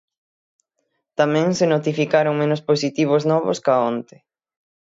Tamén se notificaron menos positivos novos ca onte.